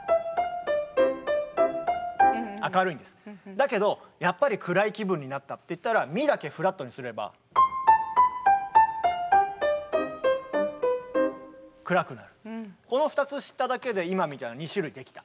だけどやっぱり暗い気分になったっていったらこの２つ知っただけで今みたいに２種類できた。